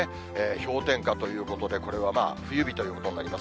氷点下ということで、これは冬日ということになります。